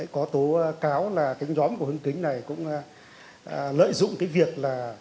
có tố cáo là cái nhóm của hưng kính này cũng lợi dụng cái việc là